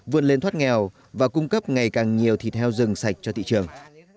vươn lên thoát nghèo và cung cấp ngày càng nhiều thịt heo rừng sạch cho thị trường